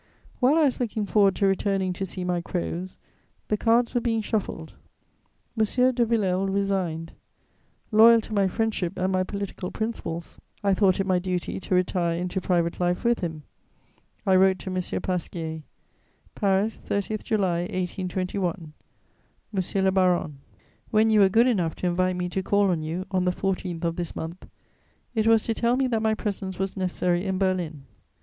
While I was looking forward to returning to see my crows, the cards were being shuffled: M. de Villèle resigned. Loyal to my friendship and my political principles, I thought it my duty to retire into private life with him. I wrote to M. Pasquier: "PARIS, 30 July 1821. "MONSIEUR LE BARON, "When you were good enough to invite me to call on you, on the 14th of this month, it was to tell me that my presence was necessary in Berlin.